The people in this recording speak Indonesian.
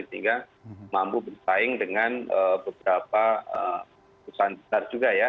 sehingga mampu bersaing dengan beberapa perusahaan besar juga ya